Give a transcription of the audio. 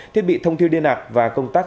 thiết bị thông thiêu điên ạc và công tác